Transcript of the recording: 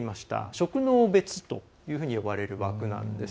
職能別というふうに呼ばれる枠なんです。